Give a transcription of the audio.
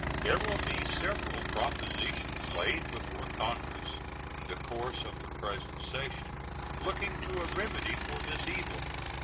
There will be several propositions laid before Congress in the course of the present session looking to a remedy for this evil.